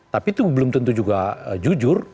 tapi itu belum tentu juga jujur